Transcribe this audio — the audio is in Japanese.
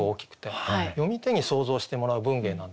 読み手に想像してもらう文芸なんですよね。